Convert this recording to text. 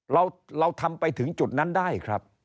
เราทำไปถึงจุดนั้นได้ครับ